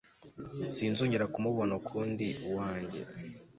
Sinzongera kumubona ukundi uwanjye